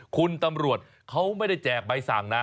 คุณตำรวจเขาไม่ได้แจกใบสั่งนะ